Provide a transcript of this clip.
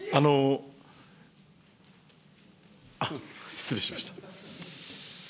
失礼しました。